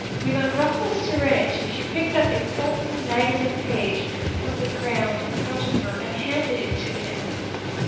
With unruffled serenity she picked up a pulpy magazine page from the ground in front of her and handed it to him.